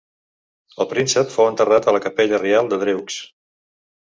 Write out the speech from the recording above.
El príncep fou enterrat a la Capella Reial de Dreux.